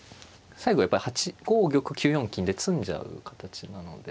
最後やっぱり８五玉９四金で詰んじゃう形なので。